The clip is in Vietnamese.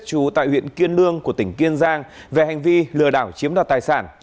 trú tại huyện kiên lương của tỉnh kiên giang về hành vi lừa đảo chiếm đoạt tài sản